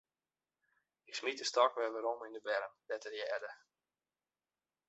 Ik smiet de stôk werom yn 'e berm, dêr't er hearde.